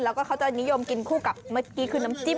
แล้วก็เขาจะนิยมกินคู่กับเมื่อกี้คือน้ำจิ้ม